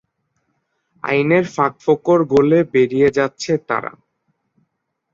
আইনের ফাঁকফোকর গলে বেরিয়ে যাচ্ছে তারা।